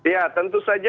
ya tentu saja